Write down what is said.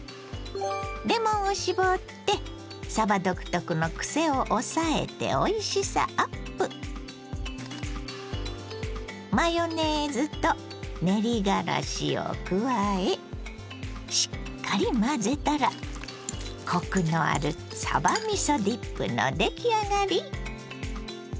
レモンを搾ってさば独特のクセを抑えておいしさアップ！を加えしっかり混ぜたらコクのあるさばみそディップの出来上がり。